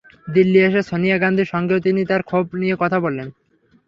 দিল্লি এসে সোনিয়া গান্ধীর সঙ্গেও তিনি তাঁর ক্ষোভ নিয়ে কথা বলবেন।